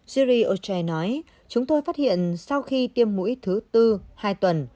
zili ochai nói chúng tôi phát hiện sau khi tiêm mũi thứ tư hai tuần